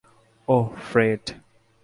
ওহ, Fred.